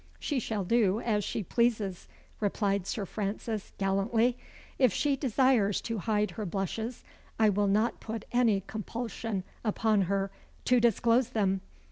"She shall do as she pleases," replied Sir Francis, gallantly. "If she desires to hide her blushes, I will not put any compulsion upon her to disclose them.